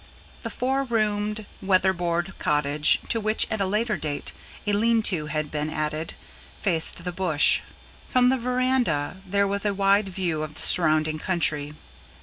The four roomed, weatherboard cottage, to which at a later date a lean to had been added, faced the bush: from the verandah there was a wide view of the surrounding country.